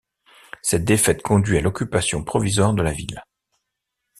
Cette défaite conduit à l'occupation provisoire de la ville.